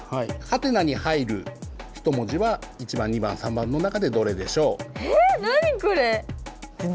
「？」に入る１文字は１番２番３番の中でどれでしょう？